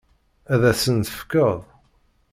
Ad as-ten-tefkeḍ?